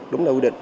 đúng là quy định